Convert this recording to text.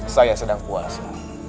saya sedang puasa